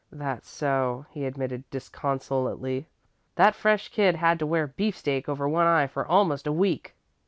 "That's so," he admitted disconsolately. "That fresh kid had to wear beefsteak over one eye for almost a week."